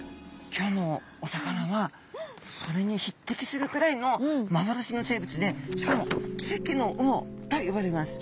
今日のお魚はそれに匹敵するくらいの幻の生物でしかも「奇跡の魚」と呼ばれます。